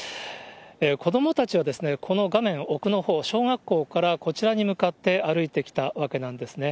子どもたちはこの画面奥のほう、小学校からこちらに向かって歩いてきたわけなんですね。